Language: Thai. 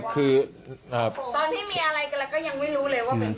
ตอนที่มีอะไรก็ยังไม่รู้เลยว่าเป็นผู้ชาย